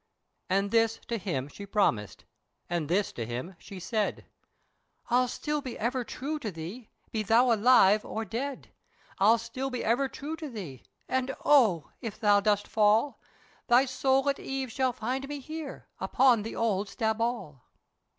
And this to him she promised, and this to him she said, "I'll still be ever true to thee, be thou alive, or dead! I'll still be ever true to thee, and O if thou dost fall, Thy soul at eve will find me here, upon the old Staball."